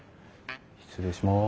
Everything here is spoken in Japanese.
失礼します。